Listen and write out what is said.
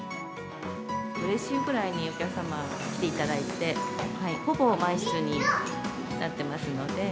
うれしいくらいにお客様が来ていただいて、ほぼ満室になってますので。